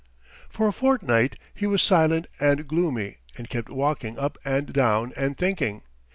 For a fortnight he was silent and gloomy and kept walking up and down and thinking.